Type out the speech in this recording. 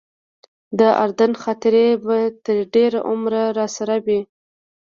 د اردن خاطرې به تر ډېره عمره راسره وي.